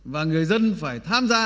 và người dân phải tham gia